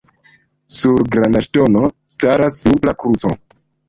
Sur Granda ŝtono staras simpla kruco.